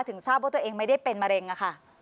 ทราบว่าตัวเองไม่ได้เป็นมะเร็งอะค่ะ